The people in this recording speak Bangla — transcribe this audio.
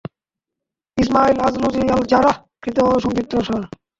ইসমাঈল আজলূযী আল-জার্রাহ্ কৃত সংক্ষিপ্তসার।